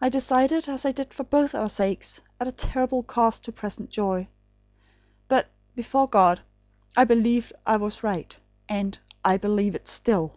I decided as I did for both our sakes, at terrible cost to present joy. But, before God, I believed I was right; and I BELIEVE IT STILL."